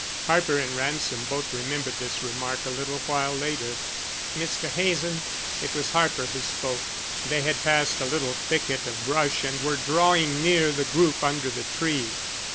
Harper and Ransom both remembered this remark a little while later. "Mr. Hazen?" It was Harper who spoke. They had passed a little thicket of brush and were drawing near the group under the tree.